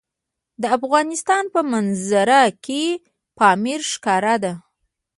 د افغانستان په منظره کې پامیر ښکاره ده.